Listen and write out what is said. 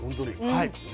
はい。